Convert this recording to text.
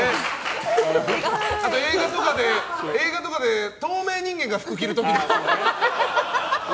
あと、映画とかで透明人間が服着る時みたいだね。